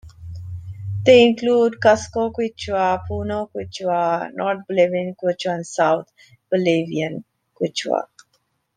They include Cusco Quechua, Puno Quechua, North Bolivian Quechua, and South Bolivian Quechua.